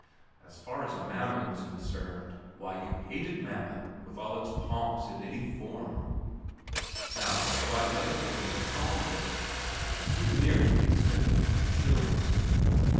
As far as Mammon was concerned, why, you hated Mammon with all its pomps in any form. Now it's quite another thing with a psalm book a souvenir to the extent of a few shillings....